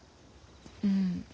うん。